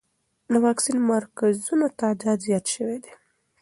د واکسین مرکزونو تعداد زیات شوی دی.